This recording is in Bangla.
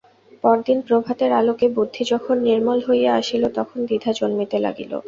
পরদিন প্রভাতের আলোকে বুদ্ধি যখন নির্মল হইয়া আসিল তখন দ্বিধা জন্মিতে লাগিল।